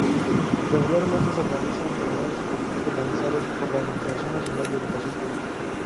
Regularmente se organizan torneos organizados por la Administración Nacional de Educación Pública.